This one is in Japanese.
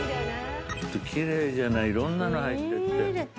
奇麗じゃないいろんなの入ってて。